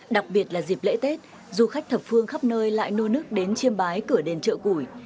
đặc biệt là dịp lễ tết du khách thập phương khắp nơi lại nô nước đến chiêm bái cửa đền chợ củi